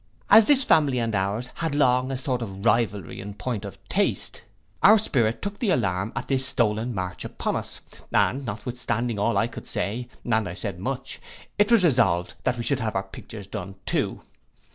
As this family and ours had long a sort of rivalry in point of taste, our spirit took the alarm at this stolen march upon us, and notwithstanding all I could say, and I said much, it was resolved that we should have our pictures done too.